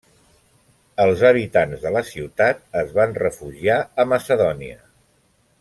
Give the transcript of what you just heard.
Els habitants de la ciutat es van refugiar a Macedònia.